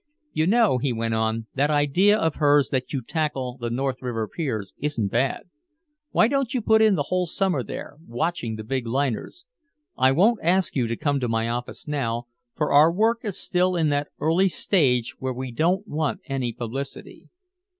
"You know," he went on, "that idea of hers that you tackle the North River piers isn't bad. Why don't you put in the whole Summer there, watching the big liners? I won't ask you to come to my office now, for our work is still in that early stage where we don't want any publicity."